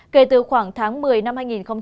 kể từ khoảng tháng một mươi năm hai nghìn hai mươi